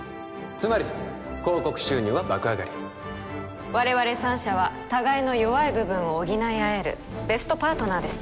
つまり広告収入は爆上がり我々３社は互いの弱い部分を補い合えるベストパートナーです